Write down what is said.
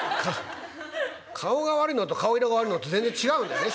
顔が悪いのと顔色が悪いのと全然違うんだよね種類が。